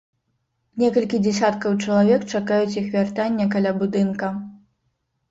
Некалькі дзесяткаў чалавек чакаюць іх вяртання каля будынка.